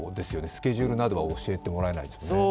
スケジュールなどは教えてもらえないですよね？